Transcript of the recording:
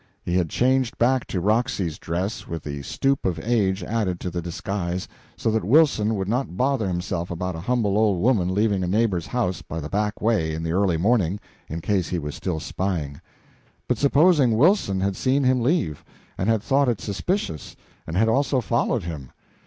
He had changed back to Roxy's dress, with the stoop of age added to the disguise, so that Wilson would not bother himself about a humble old woman leaving a neighbor's house by the back way in the early morning, in case he was still spying. But supposing Wilson had seen him leave, and had thought it suspicious, and had also followed him?